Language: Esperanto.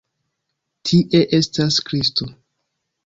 Tie estas Kristo!